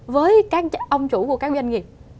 với các ông chủ của các doanh nghiệp